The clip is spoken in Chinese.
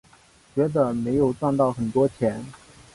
觉得没有赚到很多钱